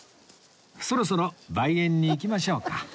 そろそろ梅園に行きましょうか